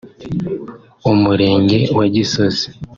Umurenge wa Gisozi